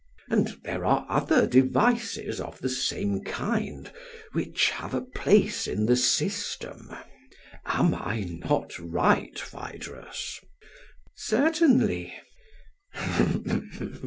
And there are other devices of the same kind which have a place in the system. Am I not right, Phaedrus? PHAEDRUS: Certainly.